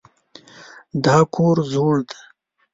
دا کور زوړ دی.